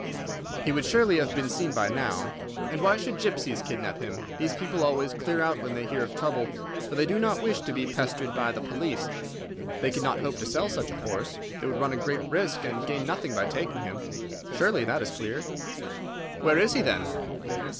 He would surely have been seen by now. And why should gypsies kidnap him? These people always clear out when they hear of trouble, for they do not wish to be pestered by the police. They could not hope to sell such a horse. They would run a great risk and gain nothing by taking him. Surely that is clear." "Where is he, then?"